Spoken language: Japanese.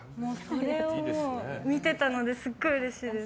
それを見てたのですごいうれしいです。